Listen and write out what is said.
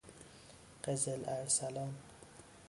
قزل ارسلان